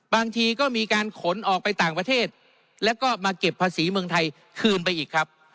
บางทีก็มีการขนออกไปต่างประเทศแล้วก็มาเก็บภาษีเมืองไทยคืนไปอีกครับ